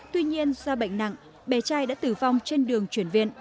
tuy nhiên do bệnh nặng bé trai đã tử vong trên đường chuyển viện